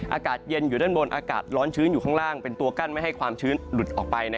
อากาศเย็นอยู่ด้านบนอากาศร้อนชื้นอยู่ข้างล่างเป็นตัวกั้นไม่ให้ความชื้นหลุดออกไป